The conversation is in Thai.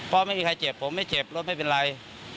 เพราะไม่มีใครเจ็บผมไม่เจ็บรถไม่เป็นไร